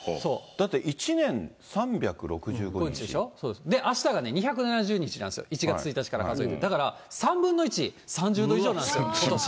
で、あしたが２７０日なんですよ、１月１日から数えて、だから３分の１、３０度以上なんですよ、ことし。